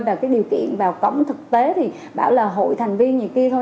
và cái điều kiện vào cổng thực tế thì bảo là hội thành viên như kia thôi